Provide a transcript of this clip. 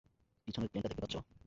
পিছনের প্লেনটা দেখতে পাচ্ছ?